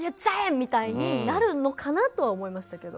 みたいになるのかなとは思いましたけど。